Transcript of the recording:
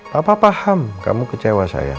papa paham kamu kecewa saya